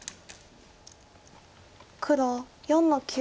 黒４の九。